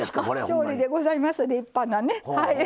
調理でございます立派なねはい。